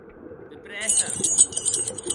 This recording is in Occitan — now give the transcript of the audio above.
De prèssa!